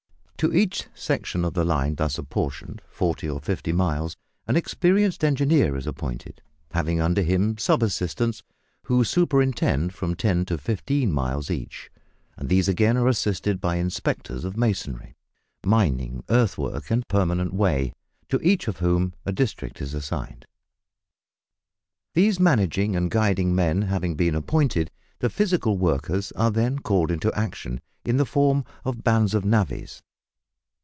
To each section of the line thus apportioned forty or fifty miles an experienced engineer is appointed, having under him "sub assistants," who superintend from ten to fifteen miles each, and these again are assisted by "inspectors" of masonry, mining, earth work and permanent way, to each of whom a district is assigned. These managing and guiding men having been appointed, the physical workers are then called into action, in the form of bands of navvies.